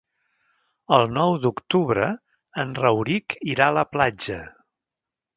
El nou d'octubre en Rauric irà a la platja.